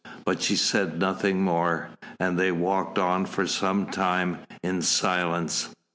But she said nothing more, and they walked on for some time in silence.